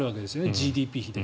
ＧＤＰ比で。